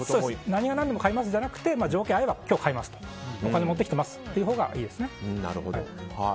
何が何でも買いますじゃなくて条件が合えば今日買いますとお金持ってきますというほうがいいですね。